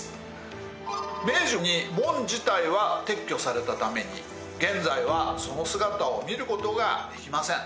明治に門自体は撤去されたために現在はその姿を見ることができません。